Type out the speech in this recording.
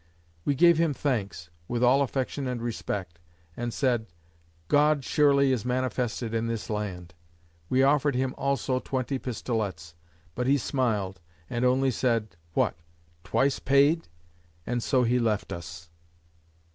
We gave him thanks, with all affection and respect, and said, "God surely is manifested in this land." We offered him also twenty pistolets; but he smiled, and only said; "What? twice paid!" And so he left us.